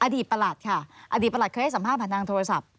ประหลัดค่ะอดีตประหลัดเคยให้สัมภาษณ์ผ่านทางโทรศัพท์